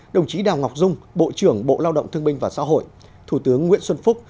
đồng chí đào ngọc dung bộ trưởng bộ lao động thương binh và xã hội thủ tướng nguyễn xuân phúc